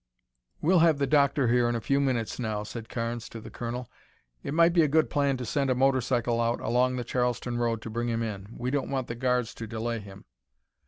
"We'll have the doctor here in a few minutes now," said Carnes to the Colonel. "It might be a good plan to send a motorcycle out along the Charleston road to bring him in. We don't want the guards to delay him."